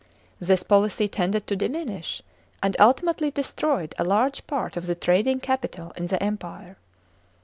This policy tended to diminish, and ultimately destroyed a large part of the trading capital in the Empire.